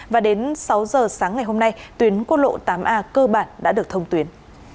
và đến sáu giờ sáng ngày hôm nay tuyến quốc lộ tám a cơ bản đã được thông tuyến